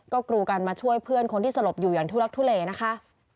ก็กรูกันมาช่วยเพื่อนคนที่สลบอยู่อย่างทุลักทุเลนะคะ